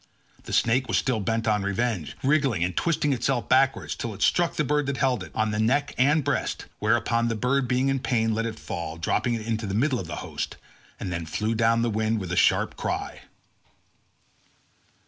The snake was still bent on revenge, wriggling and twisting itself backwards till it struck the bird that held it, on the neck and breast; whereon the bird being in pain, let it fall, dropping it into the middle of the host, and then flew down the wind with a sharp cry.